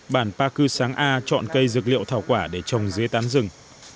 bản pa cư sáng a chọn cây dược liệu thảo quả để trồng dưới tán rừng